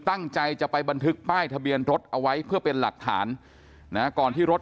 ตั้งใจจะไปบันทึกป้ายทะเบียนรถเอาไว้เพื่อเป็นหลักฐานนะก่อนที่รถ